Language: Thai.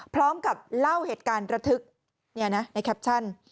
พร้อมกับเล่าเหตุการณ์ระทึกในแคปชั่น